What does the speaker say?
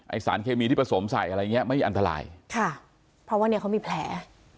สารเคมีที่ผสมใส่อะไรอย่างเงี้ยไม่อันตรายค่ะเพราะว่าเนี้ยเขามีแผล